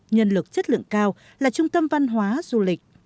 nhân lực chất lượng cao là trung tâm văn hóa du lịch